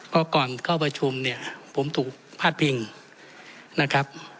ก็ก่อนเข้าประชุมเนี่ยผมถูกพาดพิงนะครับ